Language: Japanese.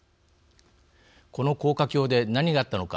この高架橋で何があったのか。